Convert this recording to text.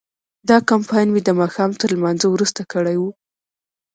دا کمپاین مې د ماښام تر لمانځه وروسته کړی و.